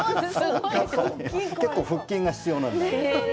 結構腹筋が必要なんです。